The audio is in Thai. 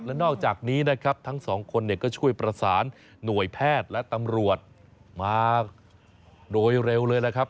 และนอกจากนี้นะครับทั้งสองคนเนี่ยก็ช่วยประสานหน่วยแพทย์และตำรวจมาโดยเร็วเลยล่ะครับ